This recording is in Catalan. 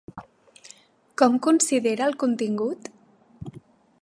Com considera el contingut?